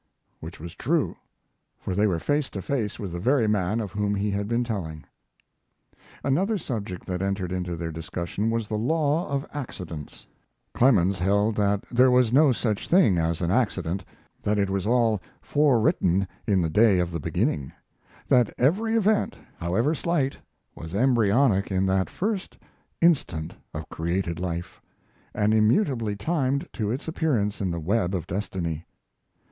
Which was true, for they were face to face with the very man of whom he had been telling. Another subject that entered into their discussion was the law of accidents. Clemens held that there was no such thing an accident: that it was all forewritten in the day of the beginning; that every event, however slight, was embryonic in that first instant of created life, and immutably timed to its appearance in the web of destiny.